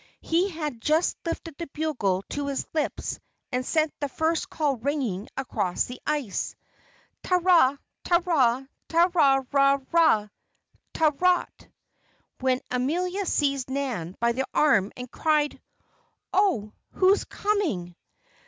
He had just lifted the bugle to his lips and sent the first call ringing across the ice: Ta ra! ta ra! ta ra ra ra! Ta rat! when Amelia seized Nan by the arm and cried: "Oh! who's coming?"